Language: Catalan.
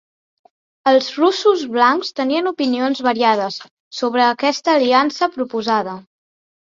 Els russos blancs tenien opinions variades sobre aquesta aliança proposada.